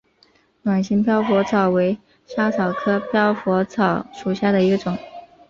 卵形飘拂草为莎草科飘拂草属下的一个种。